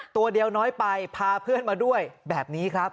ตัวเดียวน้อยไปพาเพื่อนมาด้วยแบบนี้ครับ